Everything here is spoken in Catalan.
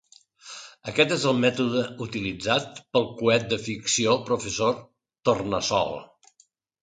Aquest és el mètode utilitzat pel coet de ficció Professor Tornassol.